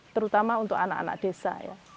terutama untuk anak anak desa ya